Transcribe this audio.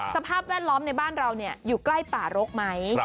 สภาพแวดล้อมในบ้านเราอยู่ใกล้ป่ารกไหม